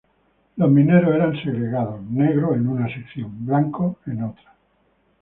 Los mineros eran segregados: negros en una sección, blancos en otra.